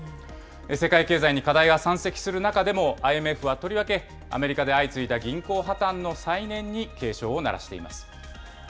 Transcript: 世界経済に課題が山積する中でも、ＩＭＦはとりわけ、アメリカで相次いだ銀行破綻の再燃に警鐘を鳴らしています。